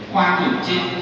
khoa thuộc trên